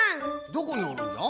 どこにおるんじゃ？